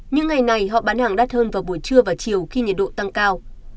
những ngày này họ bán hàng đắt hơn vào buổi trưa và chiều khi nhiệt độ tăng cao